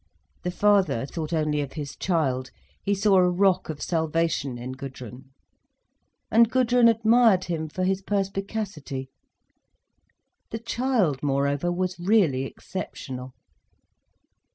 The father thought only of his child, he saw a rock of salvation in Gudrun. And Gudrun admired him for his perspicacity. The child, moreover, was really exceptional.